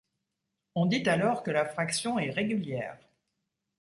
On dit alors que la fraction est régulière.